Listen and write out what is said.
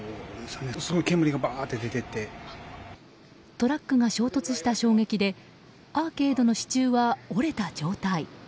トラックが衝突した衝撃でアーケードの支柱は折れた状態。